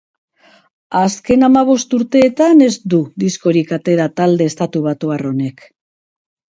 Azken hamabost urteetan ez du diskorik atera talde estatubatuar honek.